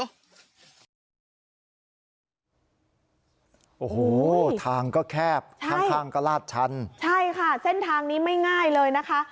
โอ้โหทางก็แคบข้างข้างก็ลาดชันใช่ค่ะเส้นทางนี้ไม่ง่ายเลยนะคะ